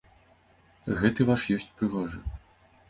Гэты ваш ёсць прыгожы.